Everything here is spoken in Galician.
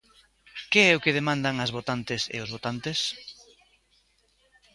Que é o que demandan as votantes e os votantes?